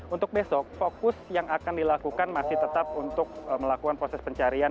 untuk besok fokus yang akan dilakukan masih tetap untuk melakukan proses pencarian